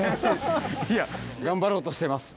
いや頑張ろうとしてます。